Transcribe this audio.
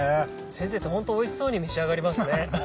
先生ってホントおいしそうに召し上がりますね。